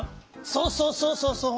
そうそうそうそうそう。